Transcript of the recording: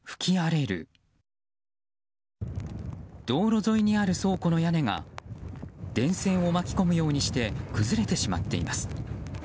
道路沿いにある倉庫の屋根が電線を巻き込むようにして崩れてしまっています。